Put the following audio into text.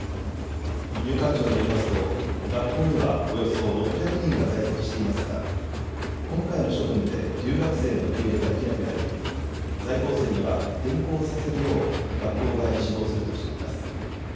入管庁によりますと学校にはおよそ６００人が在籍していますが今回の処分で留学生の受け入れができなくなり在校生には転校させるよう学校側に指導するとしています。